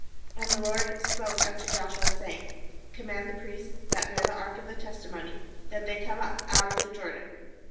15And the LORD spoke unto Joshua, saying: 16' Command the priests that )ear the ark of the testimony, that ihey come up out of the Jordan.'